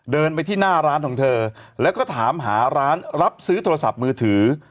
เดินไปที่หน้าร้านของเธอแล้วก็ถามหาร้านรับซื้อโทรศัพท์มือถือ